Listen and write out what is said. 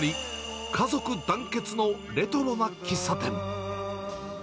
家族団結のレトロな喫茶店。